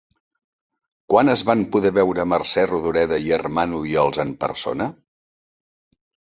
Quan es van poder veure Mercè Rodoreda i Armand Obiols en persona?